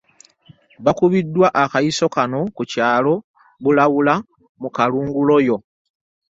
Bakubiddwa akayiso kano ku kyalo Bulawula mu Kalungu Royal.